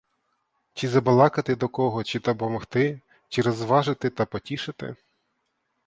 Чи забалакати до кого, чи допомогти, чи розважити та потішити.